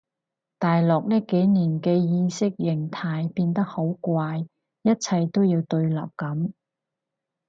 大陸呢幾年嘅意識形態變得好怪一切都要對立噉